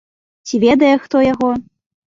Ці ведае хто яго?